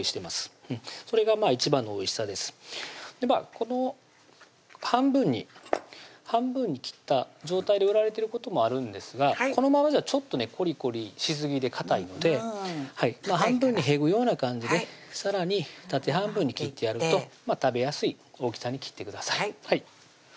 この半分に切った状態で売られてることもあるんですがこのままじゃちょっとねコリコリしすぎでかたいので半分にへぐような感じでさらに縦半分に切ってやると食べやすい大きさに切ってください